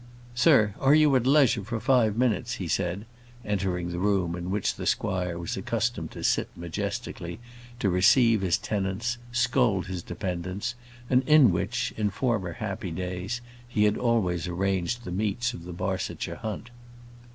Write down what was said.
"Sir, are you at leisure for five minutes?" he said, entering the room in which the squire was accustomed to sit majestically, to receive his tenants, scold his dependants, and in which, in former happy days, he had always arranged the meets of the Barsetshire hunt.